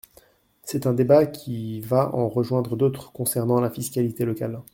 C’est un débat qui va en rejoindre d’autres concernant la fiscalité locale.